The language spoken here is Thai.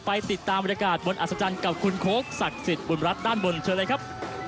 ไปติดตามบรรยากาศบนอัศจรรย์กับคุณโค้กศักดิ์สิทธิ์บุญรัฐด้านบนเชิญเลยครับ